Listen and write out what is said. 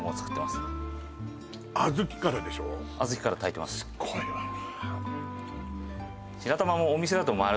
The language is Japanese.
すっごいわね